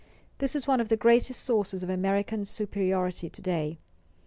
This is one of the greatest sources of America's superiority to day.